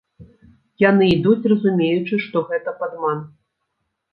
Яны ідуць разумеючы, што гэта падман.